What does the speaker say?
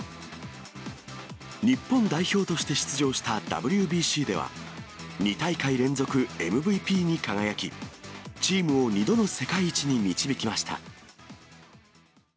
日本代表として出場したＷＢＣでは、２大会連続ＭＶＰに輝き、チームを２度の世界一に導きました。